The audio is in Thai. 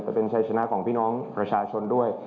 ไปเป็นชัยชนะของพี่น้องประชาชนด้วย